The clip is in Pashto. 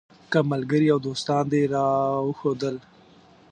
که ملګري او دوستان دې راوښودل.